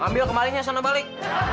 ambil kemarenya sana balik